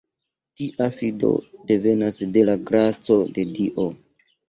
Tia fido devenas de la graco de Dio.